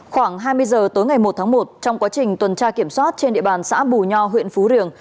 khoảng hai mươi giờ tối ngày một tháng một trong quá trình tuần tra kiểm soát trên địa bàn xã bù nho huyện phú riềng